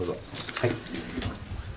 はい。